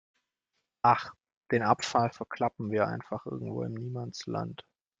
Ach, den Abfall verklappen wir einfach irgendwo im Niemandsland.